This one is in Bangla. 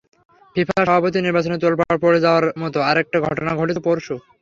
ফিফা সভাপতি নির্বাচনে তোলপাড় পড়ে যাওয়ার মতো আরেকটা ঘটনা ঘটেছে পরশু।